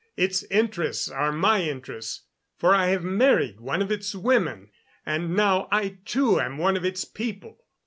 Its interests are my interests, for I have married one of its women, and now I too am one of its people.